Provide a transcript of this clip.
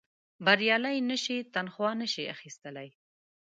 بریالي نه شي تنخوا نه شي اخیستلای.